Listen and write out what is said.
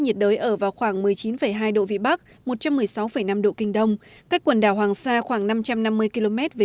nhiệt đới ở vào khoảng một mươi chín hai độ vị bắc một trăm một mươi sáu năm độ kinh đông cách quần đảo hoàng sa khoảng năm trăm năm mươi km về